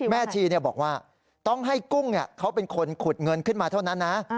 ชีบอกว่าต้องให้กุ้งเขาเป็นคนขุดเงินขึ้นมาเท่านั้นนะ